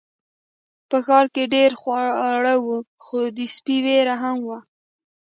په ښار کې ډیر خواړه وو خو د سپي ویره هم وه.